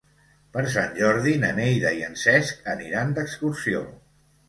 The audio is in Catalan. Per Sant Jordi na Neida i en Cesc aniran d'excursió.